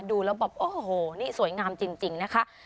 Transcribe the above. ดูแล้วแบบโอ้โหนี่สวยงามจริงนะคะ